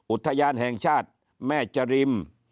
อุทยานแห่งชาติแม่จริม